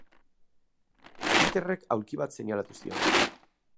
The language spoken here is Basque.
Peterrek aulki bat seinalatu zion.